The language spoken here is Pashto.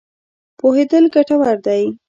پوهېدل ګټور دی.